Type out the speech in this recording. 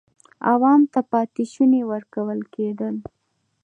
عوام ته پاتې شوني ورکول کېدل.